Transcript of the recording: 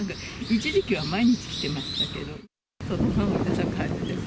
一時期は毎日、来てましたけど。